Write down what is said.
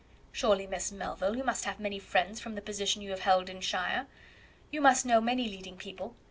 "Surely, Miss Melville, you must have many friends, from the position you have held in shire; you must know many leading people.